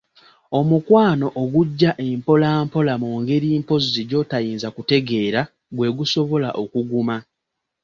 Omukwano ogujja empola mpola mu ngeri mpozzi gy'otayinza kutegeera, gwe gusobola okuguma.